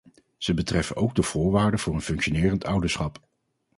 Ze betreffen ook de voorwaarden voor een functionerend ouderschap.